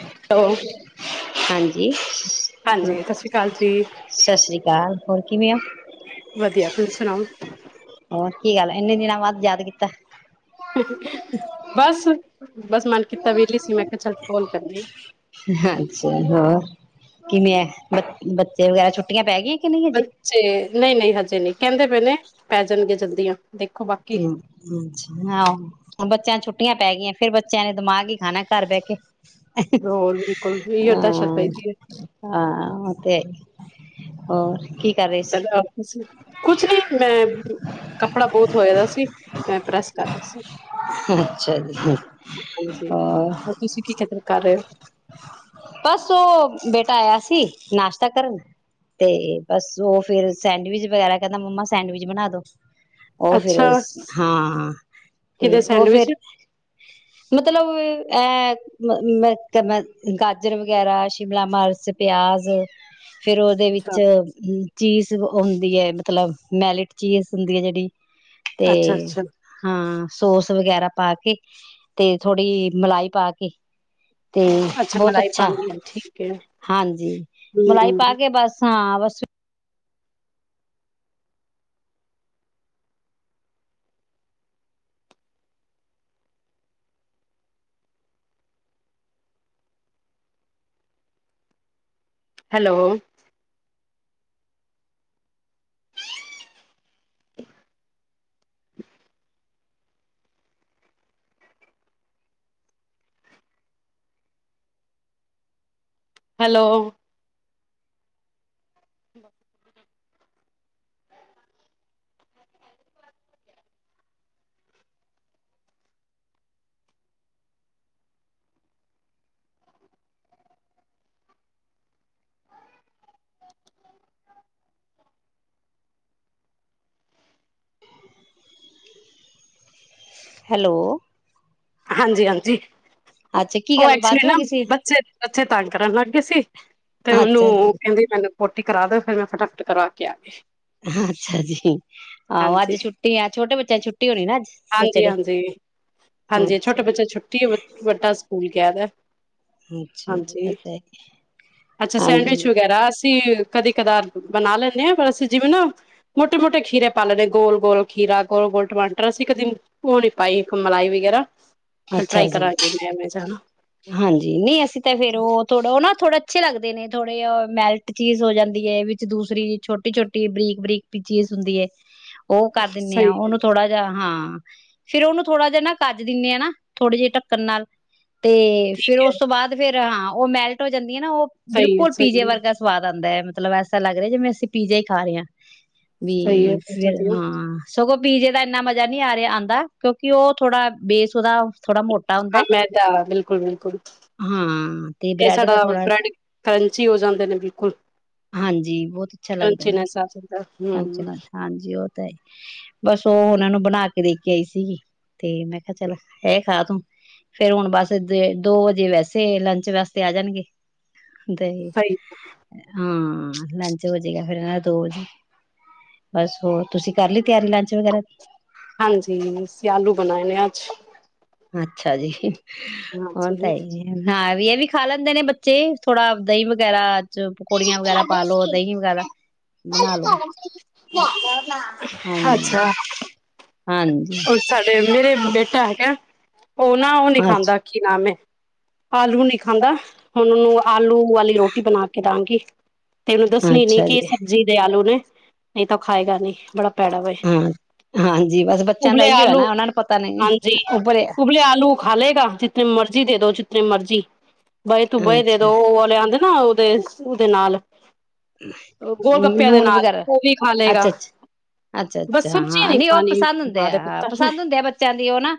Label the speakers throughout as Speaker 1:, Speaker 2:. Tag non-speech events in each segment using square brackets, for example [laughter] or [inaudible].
Speaker 1: [inaudible]
Speaker 2: ਹਾਂਜੀ
Speaker 1: ਹਾਂਜੀ ਸ਼੍ਰੀ ਅਕਾਲ ਜੀ
Speaker 2: ਸਤਿ ਸ੍ਰੀ ਅਕਾਲ, ਹੋਰ ਕਿਵੇਂ ਆ ਔ।
Speaker 1: ਵਧੀਆ ਤੁਸੀਂ ਸੁਣਾਓ।
Speaker 2: ਹੋਰ ਕੀ ਹਾਲ ਹੈ, ਇੰਨੇ ਦਿਨਾਂ ਬਾਅਦ ਯਾਦ ਕੀਤਾ।
Speaker 1: ਬਸ ਬਸ ਮਨ ਕਿ
Speaker 2: ਅੱਛਾ [unintelligible] ਕਿਵੇਂ ਐ, ਬ ਬੱਚੇ ਵਗੈਰਾ ਛੁੱਟੀਆਂ ਪੈਗੀ
Speaker 1: ਬੱਚੇ, ਨਈ-ਨਈ ਹਜੇ ਨਹੀ। ਕਹਿੰਦੇ ਪਏ ਨੇ ਪੈ ਜਾਣਗੇ ਜਲਦੀ ਆਂ
Speaker 2: ਹੂ ਹੂੰ ਹਾਂ ਹੁਣ ਬੱਚਿਆਂ ਨੂ ਛੁੱਟੀਆਂ ਪੈ ਗਈਆਂ ਫੇਰ ਬੱਚਿਆਂ ਨੇ ਦਿਮਾਗ ਹੀ ਖਾਣਾ ਘਰ ਬੈਕੇ,
Speaker 1: ਹੋਰ ਬਿਲਕੁਲ ਇਹੀ
Speaker 2: ਹਾਂ
Speaker 1: ਅਰਦਾਸ਼ਤ ਪਈ ਦੀ
Speaker 2: ਹਾਂ। ਤੇ ਹੋਰ ਕੀ ਕਰ ਰਹੇ ਸੀ
Speaker 1: ਕੁਛ ਨੀ ਮੈਂ ਕੱਪੜਾ ਬਹੁਤ ਹੋਯਾ ਦਾ ਸੀ, ਮੈਂ ਪ੍ਰੈਸ ਕਰ ਰੀ ਸੀ।
Speaker 2: ਅੱਛਾ ਜੀ
Speaker 1: ਹਾਂਜੀ ਹੋਰ ਤੁਸੀਂ ਕੀ ਫਿਕਰ ਕਰ ਰਹੇ ਔ।
Speaker 2: ਤਾਂ ਆਯਾ ਸੀ ਨਾਸ਼ਤਾ ਕਰਨ, ਤੇ ਬਸ ਉਹ ਫਿਰ ਸੈਂਡਵਿਚ ਵਗੈਰਾ ਕਹਿੰਦਾ ਮੰਮਾ ਸੈਂਡਵਿਚ ਬਣਾ ਦੋ ਔ ਫੇਰ
Speaker 1: ਅੱਛਾ
Speaker 2: ਹਾਂ,
Speaker 1: ਕਿਦੇ
Speaker 2: ਤੇ ਉਹ
Speaker 1: ਸੈਂਡਵਿਚ
Speaker 2: ਫੇਰ ਮਤਲਬ ਇਹ ਮ ਮੈਂ ਗਾਜਰ ਵਗੈਰਾ ਸ਼ਿਮਲਾ ਮਿਰਚ ਪਿਆਜ ਫਿਰ ਉਹਦੇ
Speaker 1: ਅੱਛਾ
Speaker 2: ਵਿੱਚ, ਹੂੰ ਚੀਜ਼ ਹੁੰਦੀ ਐ ਮਤਲਬ ਮੈਲਿਟ ਚੀਜ਼ ਹੁੰਦੀ ਹੈ ਜਿਹੜੀ ਤੇ
Speaker 1: ਅੱਛਾ
Speaker 2: ਹਾਂ ਸੋਸ ਵਗੈਰਾ ਪਾ ਕੇ ਤੇ ਥੋੜ੍ਹੀ ਮਲਾਈ ਪਾ ਕੇ ਤੇ ਬਹੁਤ
Speaker 1: ਮਲਾਈ
Speaker 2: ਅੱਛਾ
Speaker 1: ਪਾਣੀ ਹੈ ਠੀਕ ਹੈ
Speaker 2: ਹਾਂਜੀ ਮਲਾਈ
Speaker 1: ਹਮ
Speaker 2: ਪਾ ਕੇ ਬਸ ਹਾਂ ਬਸ [unintelligible]
Speaker 1: ਹੈਲੋ। [unintelligible] ਹੈਲੋ। [unintelligible]
Speaker 2: ਹੈਲੋ।
Speaker 1: ਹਾਂਜੀ ਹਾਂਜੀ
Speaker 2: ਅੱਛਾ ਕੀ
Speaker 1: ਉਹ
Speaker 2: ਗੱਲ
Speaker 1: ਐਕਚੁਲੀ
Speaker 2: ਬਾਜੂ ਹੋ
Speaker 1: ਨਾ
Speaker 2: ਗਈ ਸੀ
Speaker 1: ਬੱਚੇ। ਬੱਚੇ ਤੰਗ ਕਰਨ ਲਗ। ਕਿਸੀ। ਤੇ ਉਹਨੂੰ
Speaker 2: ਅੱਛਾ ਜੀ
Speaker 1: ਕਹਿੰਦੇ ਮੈਂਨੂੰ। ਹੋਰ ਠੀਕ ਕਰਾਂ ਦਿਓ ਫ਼ਿਰ ਮੈਂ ਫਟਾਫੱਟ ਕਰਵਾ ਕੇ ਆਗੀ
Speaker 2: ਅੱਛਾ ਜੀ। ਆਹੋ ਅੱਜ਼
Speaker 1: ਹਾਂਜੀ
Speaker 2: ਛੁੱਟੀ ਆ। ਛੋਟੇ ਬੱਚਿਆਂ ਨੂੰ ਛੁੱਟੀ ਹੋਣੀਂ ਨਾ ਅੱਜ਼
Speaker 1: ਹਾਂਜੀ
Speaker 2: ਸੈਚਰਡੇ।
Speaker 1: ਹਾਂਜੀ ਹਾਂਜੀ
Speaker 2: ਅੱਛਾ
Speaker 1: ਛੋਟੇ
Speaker 2: ਜੀ,
Speaker 1: ਬੱਚੇ ਨੂੰ ਛੁੱਟੀ ਵੱਡਾ ਸਕੂਲ ਗਿਆਂ ਕੈਦ।
Speaker 2: ਅੱਛਾ ਜੀ,
Speaker 1: ਹਾਂਜੀ
Speaker 2: ਤੇ
Speaker 1: ਅੱਛਾ ਸੈਂਡਵਿਚ
Speaker 2: ਹਾਂਜੀ।
Speaker 1: ਵਗ਼ੈਰਾ ਅਸੀਂ ਕਦੇ ਕਦਾਰ ਬਣਾਂ ਲੈਦੇ ਮੈਂ ਬੱਸ ਜਿਵੇਂ ਨਾ ਜਿਵੇਂ ਨਾ ਮੋਟੇ ਮੋਟੇ ਖੀਰੇ ਪਾ ਲੈਂਣੇ ਗੋਲ ਗੋਲ ਖੀਰਾ ਗੋਲ ਗੋਲ ਟਮਾਟਰ ਅਸੀਂ ਕਦੇ ਉਹ ਨੀਂ ਪਾਈ ਮਲਾਈ ਵਗ਼ੈਰਾ। [inaudible] ਤੇ
Speaker 2: ਅੱਛਾ
Speaker 1: ਟ੍ਰਾਈ
Speaker 2: ਜੀ,
Speaker 1: ਕਰਾਂਗੇ ਸੰਡਵਿਚ ਹੈਨਾ
Speaker 2: ਹਾਂਜੀ। ਨਹੀਂ ਅਸੀਂ ਤਾਂ ਫ਼ਿਰ ਉਹ ਥੋੜਾਂ ਉਹ ਨਾ ਥੋੜਾਂ ਅੱਛੇ ਲੱਗਦੇ ਨੇਂ ਥੋੜੇ ਮੈਲਟ ਚੀਜ ਹੋ ਜਾਂਦੀ ਹੈ। ਵਿੱਚ ਦੂਸਰੀ ਛੋਟੀ ਛੋਟੀ ਬਰੀਕ ਬਰੀਕ ਵੀ ਚੀਜ ਹੁੰਦੀ ਏ ਉਹ ਕਰ ਦਿੰਦੇਂ
Speaker 1: ਸਹੀ
Speaker 2: ਆ।
Speaker 1: ਹੈ
Speaker 2: ਉਹਨੂੰ ਥੋੜਾਂ ਜਿਹਾਂ। ਹਾਂ ਫ਼ਿਰ ਉਹਨੂੰ ਥੋੜਾਂ ਜਿਹਾਂ ਨਾ ਕੱਜ ਦਿੰਦੇਂ ਆ ਨਾ ਥੋੜੇ ਜਿਹੇ ਢੱਕਣ ਨਾਲ਼ ਤੇ
Speaker 1: ਠੀਕ
Speaker 2: ਫ਼ਿਰ ਉਸ
Speaker 1: ਹੈ
Speaker 2: ਤੋਂ ਬਾਅਦ ਫ਼ਿਰ ਹਾਂ। ਉਹ ਮੈਲਟ ਹੋ ਜਾਂਦੀ ਏਂ ਨਾ ਉਹ
Speaker 1: ਸਹੀ ਹੈ
Speaker 2: ਬਿਲਕੁੱਲ
Speaker 1: ਸਹੀ
Speaker 2: ਪੀਜੇ
Speaker 1: ਹੈ
Speaker 2: ਵਰਗਾਂ ਸਵਾਦ ਆਉਂਦਾਂ ਹੈਂ। ਮੱਤਲਬ ਐਸ਼ਾਂ ਲੱਗ ਰਿਹਾਂ ਜਿਵੇਂ ਅਸੀਂ ਪੀਜ਼ਾ ਹੀ ਖਾ ਰਹੇਂ ਹਾਂ।
Speaker 1: ਸਹੀ ਹੈ
Speaker 2: ਵੀ
Speaker 1: ਬਹੁਤ
Speaker 2: ਫ਼ਿਰ
Speaker 1: ਵਧੀਆ
Speaker 2: ਹਾਂ। ਸਗੋਂ ਪੀਜੇ ਦਾ ਇੰਨਾਂ ਮਜ਼ਾ ਨਹੀਂ ਆ ਰਿਹਾਂ ਆਉਂਦਾ ਕਿਉਂਕਿ ਉਹ ਥੋੜਾਂ ਬੇਸ ਉਹਦਾ। ਥੋੜਾਂ ਮੋਟਾ ਹੁੰਦਾਂ ਏ
Speaker 1: ਬਿਲਕੁੱਲ ਬਿਲਕੁੱਲ ਫ਼ਿਰ
Speaker 2: ਬ੍ਰੈਡ
Speaker 1: ਸਾਡਾ
Speaker 2: ਦਾ ਥੋੜਾ
Speaker 1: ਬ੍ਰੈਡ ਕਰੰਚੀ ਹੋ ਜਾਂਦੇ ਨੇਂ ਬਿਲਕੁੱਲ।
Speaker 2: ਹਾਂਜੀ ਬਹੁਤ ਅੱਛਾ ਲੱਗਦਾ ਨਾਲ
Speaker 1: ਕਰੰਚੀਨੈਸ ਆ ਜਾਂਦਾ ਹਮ
Speaker 2: ਹਾਂਜੀ ਉਹ ਤੇਬਸ ਉਹ ਉਹਨਾਂ ਨੂੰ ਬਣਾਂ ਕੇ ਦੇ ਕੇ ਆਈ ਸੀ ਤੇ ਮੈਂ ਕਿਹਾਂ ਚੱਲੋਂ ਇਹ ਖਾਂ ਲੋ ਫ਼ਿਰ ਹੁਣ ਬਸ। ਤੇ ਦੋ ਵਜ਼ੇ ਵੈਸੇ ਲੰਚ ਵਾਸਤੇ ਆ ਜਾਂਣਗੇ। ਤੇ
Speaker 1: ਸਹੀ
Speaker 2: ਹਾਂ ਹਾਂ ਲੰਚ ਹੋਜੇਂਗਾ ਫ਼ਿਰ ਹਨਾ ਦੋ ਵਜ਼ੇ ਬਸ। ਹੋਰ ਤੁਸੀਂ ਕਰ ਲੀ
Speaker 1: ਹਾਂਜੀ ਅਸੀਂ ਆਲੂ ਬਣਾਏ ਨੇਂ ਅੱਜ।
Speaker 2: ਅੱਛਾ ਜੀ। ਉਹ ਤਾਂ
Speaker 1: ਹਾਂਜੀ।
Speaker 2: ਹੈ ਜੀ। ਹਾਂ ਏਂ ਵੀ ਖਾਂ ਲੈਂਦੇ ਨੇਂ ਬੱਚੇ। ਥੋੜਾਂ ਦਹੀਂ ਵਗ਼ੈਰਾ ਬਣਾ ਲੋ ਹਾਂਜੀ
Speaker 1: ਅੱਛਾ,
Speaker 2: ਹਾਂਜੀ
Speaker 1: ਸਾਡੇ ਮੇਰੇ ਬੇਟਾ ਹੈਗਾ। ਉਹ ਨਾ ਉਹ ਨੀ ਖਾਂਦਾ
Speaker 2: ਅੱਛਾ
Speaker 1: ਕੀ ਨਾਮ ਐ। ਆਲੂ ਨੀ ਖਾਂਦਾ। ਹੁਣ ਉਹਨੂੰ ਆਲੂ ਵਾਲੀ ਰੋਟੀ ਬਣਾ ਕੇ ਦਾਂਗੀ। ਤੇ ਇਹ ਨੂੰ ਦੱਸਣੀ ਨੀ
Speaker 2: ਅੱਛਾ
Speaker 1: ਕੀ
Speaker 2: ਜੀ
Speaker 1: ਸਬਜ਼ੀ ਦੇ ਆਲੂ ਨੇ ਨਹੀਂ ਤਾਂ ਉਹ ਖਾਏਗਾ ਨਹੀਂ ਬੜਾ ਪੈੜਾ ਵੇ
Speaker 2: ਹਾਂ ਹਾਂਜੀ ਬਸ ਬੱਚਿਆਂ ਦਾ
Speaker 1: ਉਬਲੇ
Speaker 2: ਇਓ ਹੈ
Speaker 1: ਆਲੂ
Speaker 2: ਨਾ ਉਹਨਾਂ ਨੂੰ ਪਤਾ ਨਹੀਂ
Speaker 1: ਹਾਂਜੀ,
Speaker 2: ਉੱਪਰ
Speaker 1: ਉਬਲੇ ਆਲੂ ਖਾ ਲਏਗਾ ਜਿਨੀ ਮਰਜ਼ੀ ਦੇ ਦੋ ਜਿਤਨੀ ਮਰਜ਼ੀ ਬਾਈ ਤੂੰ ਵੀ ਹੀ ਦੇ
Speaker 2: ਅੱਛਾ
Speaker 1: ਦੋ ਉਹ ਵਾਲਿਆਂ ਦੇ ਹਾਂ ਉਦੇ ਉਹਦੇ ਨਾਲ ਗੋਲ ਗੱਪਿਆਂ ਦੇ
Speaker 2: ਲੂਣ
Speaker 1: ਨਾਲ
Speaker 2: ਵਗੈਰਾ
Speaker 1: ਉਹ ਵੀ ਖਾ ਲਏਗਾ
Speaker 2: ਅੱਛਾ-ਅੱਛਾ-ਅੱਛਾ-ਅੱਛਾ
Speaker 1: ਬਸ ਸਬਜ਼ੀਆਂ
Speaker 2: ਹਾਂ
Speaker 1: ਨੀ
Speaker 2: ਨਹੀਂ ਉਹ
Speaker 1: ਖਾਣੀ
Speaker 2: ਪਸੰਦ ਹੁੰਦੇ
Speaker 1: ਮਾਂ ਦੇ
Speaker 2: ਆ ਹਾਂ
Speaker 1: ਪੁੱਤਰ ਨੇ
Speaker 2: ਪਸੰਦ ਹੁੰਦੇ ਆ ਬੱਚਿਆਂ ਦੀ ਉਹ ਨਾ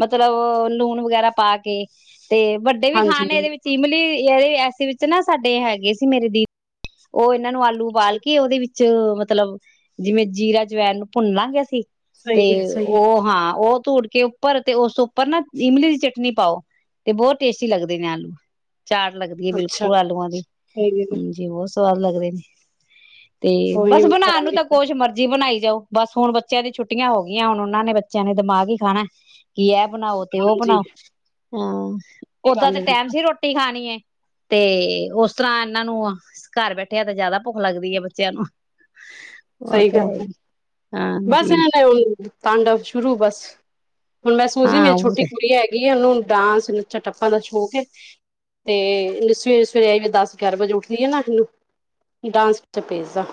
Speaker 2: ਮਤਲਬ ਲੂਣ ਵਗੈਰਾ ਪਾ ਕੇ ਤੇ ਵੱਡੇ ਵੀ ਖਾਣ
Speaker 1: ਹਾਂਜੀ
Speaker 2: ਨੇ ਇਹਦੇ ਵਿੱਚ ਇਮਲੀ ਦੇ ਐਸੇ ਵਿੱਚ ਨਾ ਸਾਡੇ ਹੈਗੇ ਸੀ ਮੇਰੇ ਦੀ ਹੋਰ। ਇਹਨਾਂ ਨੂੰ ਆਲੂ ਬਾਲ ਕੇ ਉਹਦੇ ਵਿੱਚ ਚ ਮਤਲਬ ਜਿਵੇਂ ਜੀਰਾ ਜਵੈਣ ਨੂੰ ਭੁੰਨ ਲਾਂ ਗਿਆ ਸੀ। ਤੇ
Speaker 1: ਸਹੀ ਹੈ ਸਹੀ
Speaker 2: ਉਹ ਹਾਂ ਉਹ ਧੂੜ ਕੇ ਉੱਪਰ ਤੇ ਉਸ ਉੱਪਰ ਨਾ ਇਮਲੀ ਦੀ ਚਟਨੀ ਪਾਓ, ਤੇ ਬਹੁਤ ਟੇਸਟੀ ਲੱਗਦੇ ਨੇ ਆਲੂ ਚਾਟ ਲੱਗਦੀ ਹੈ, ਬਿਲਕੁਲ ਆਲੂਆਂ ਦੀ
Speaker 1: ਸਹੀ ਹੈ
Speaker 2: ਹਾਜੀ ਬਹੁਤ ਸਵਾਦ ਸਵਾਦ ਲੱਗਦੇ ਨੇ। ਤੇ
Speaker 1: ਕੋਈ ਨੀ
Speaker 2: ਬਸ
Speaker 1: ਮੈਂ
Speaker 2: ਬਣਾਉਣ ਨੂੰ
Speaker 1: ਕਰਾਂਗੀ
Speaker 2: ਤਾਂ ਕੁਛ ਮਰਜੀ ਬਣਾਈ। ਜਾਓ, ਬਸ ਹੁਣ ਬੱਚਿਆਂ ਦੀ ਛੁੱਟੀਆਂ ਹੋ ਗਈਆਂ ਹੁਣ ਉਹਨਾਂ ਨੇ ਬੱਚਿਆਂ ਨੇ ਦਿਮਾਗ ਹੀ ਖਾਣਾ ਏ ਕਿ ਇਹ ਬਣਾਓ, ਤੇ ਉਹ
Speaker 1: ਹਾਂਜੀ
Speaker 2: ਬਣਾਓ। ਹਾਂ,
Speaker 1: ਇਹ
Speaker 2: ਓਦਾਂ ਤੇ
Speaker 1: ਗੱਲ
Speaker 2: ਟੈਮ ਸੀ ਰੋਟੀ ਖਾਣੀ ਏ। ਤੇ ਉਸ ਤਰ੍ਹਾਂ ਇਹਨਾਂ ਨੂੰ ਘਰ ਬੈਠਿਆਂ ਤੇ ਜ਼ਿਆਦਾ ਭੁੱਖ ਲੱਗਦੀ ਹੈ, ਬੱਚਿਆਂ ਨੂੰ ਉਹ
Speaker 1: ਸਹੀ
Speaker 2: ਤਾਂ
Speaker 1: ਗੱਲ ਹੈ,
Speaker 2: ਹੀ
Speaker 1: ਬਸ
Speaker 2: ਹਾਂਜੀ
Speaker 1: ਇਹਨਾਂ ਨੇ ਹੁਣ ਤਾਂਡਵ ਸ਼ੁਰੂ ਬਸ ਹੁਣ ਮਹਿਸੂਸ ਈ
Speaker 2: ਹਾਂ
Speaker 1: ਮੇਰੀ
Speaker 2: ਉਹ
Speaker 1: ਛੋਟੀ ਕੁੜੀ ਹੈਗੀ ਆ ਉਹਨੂੰ, ਡਾਂਸ ਨੱਚਾ ਟੱਪਾਂ ਦਾ ਸ਼ੌਂਕ ਹੈ, ਤੇ ਸਵੇਰੇ ਸਵੇਰੇ ਆਈ ਵੀ ਦਸ ਗਿਆਰ ਵਜੇ ਉੱਠਦੀ ਆ ਨਾ ਇਹਨੂੰ ਡਾਂਸ ਨੱਚਾ ਭੇਜਦਾ।